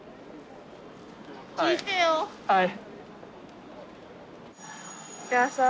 はい。